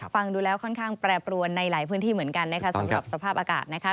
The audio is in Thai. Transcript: ฟังดูแล้วค่อนข้างแปรปรวนในหลายพื้นที่เหมือนกันนะคะสำหรับสภาพอากาศนะคะ